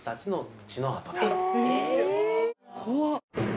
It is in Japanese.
怖っ！